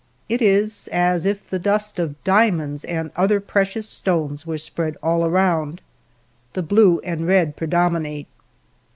It is as if the dust of diamonds and other precious stones were spread all around. The blue and red pre dominate.